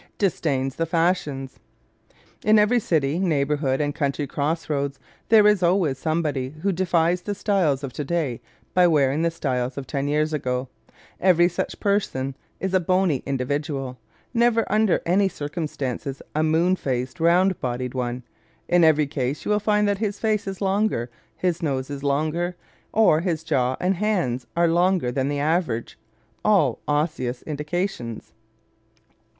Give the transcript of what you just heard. Disdains the Fashions ¶ In every city, neighborhood and country crossroads there is always somebody who defies the styles of today by wearing the styles of ten years ago. Every such person is a bony individual never under any circumstances a moon faced, round bodied one. In every case you will find that his face is longer, his nose is longer, or his jaw and hands are longer than the average all Osseous indications.